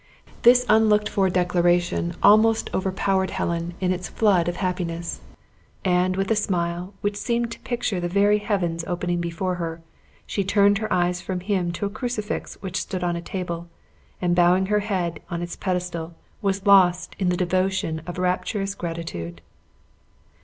This unlooked for declaration almost overpowered Helen in its flood of happiness; and, with a smile, which seemed to picture the very heavens opening before her, she turned her eyes from him to a crucifix which stood on a table, and bowing her head on its pedestal, was lost in the devotion of rapturous gratitude.